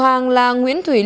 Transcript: chủ hàng là nguyễn thủy linh